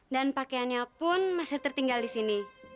dan pakaiannya pun masih tertinggal di sini